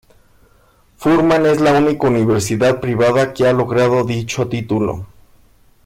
Furman es la única universidad privada que ha logrado dicho título.